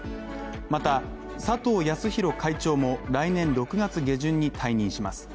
また、佐藤康博会長も来年６月下旬に退任します。